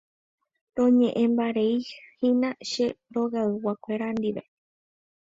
Roñe'ẽmbareihína che rogayguakuéra ndive.